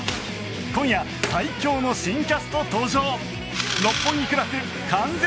今夜最強の新キャスト登場！